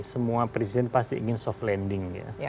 semua presiden pasti ingin soft landing ya